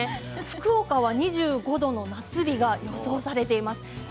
福岡は２５度の夏日が予想されています。